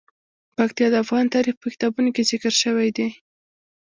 پکتیا د افغان تاریخ په کتابونو کې ذکر شوی دي.